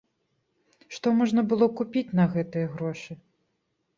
Што можна было купіць на гэтыя грошы?